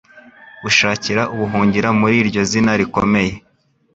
ushakira ubuhungiro mur’iryo zina rikomeye